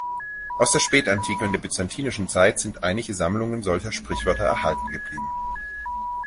Aus der Spätantike und der byzantinischen Zeit sind einige Sammlungen solcher Sprichwörter erhalten geblieben.